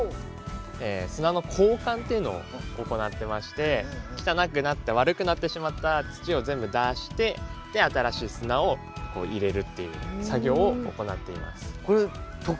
砂の交換っていうのを行ってまして汚くなった悪くなってしまった土を全部出して新しい砂を入れるっていう作業を行っています。